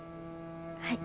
はい。